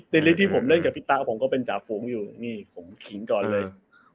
ในลิกที่ผมเล่นกับพี่ตาผมก็เป็นจาฟูงอยู่ผมคิงก่อนเลย